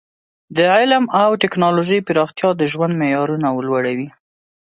د علم او ټکنالوژۍ پراختیا د ژوند معیارونه لوړوي.